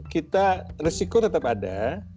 kita resiko tetap ada